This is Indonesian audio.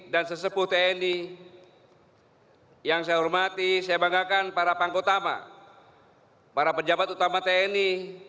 dan sesepuh tni yang saya hormati saya banggakan para pangkutama para penjabat utama tni